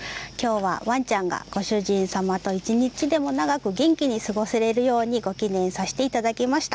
ワンちゃんがご主人様と一日でも長く元気に過ごせるようにご祈念させていただきました。